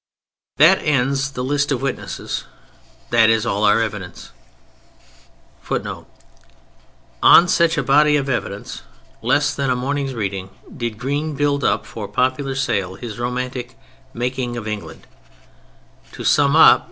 That ends the list of witnesses; that is all our evidence. [Footnote: On such a body of evidence—less than a morning's reading—did Green build up for popular sale his romantic Making of England.] To sum up.